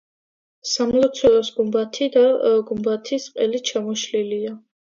სამლოცველოს გუმბათი და გუმბათის ყელი ჩამოშლილია.